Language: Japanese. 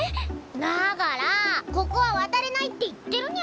だからここは渡れないって言ってるニャ。